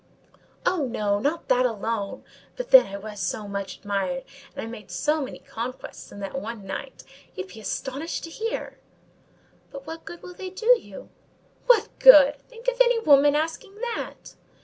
"Oh, no!—not that alone: but, then, I was so much admired; and I made so many conquests in that one night—you'd be astonished to hear—" "But what good will they do you?" "What good! Think of any woman asking that!"